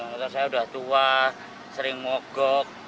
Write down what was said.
motor saya sudah tua sering mogok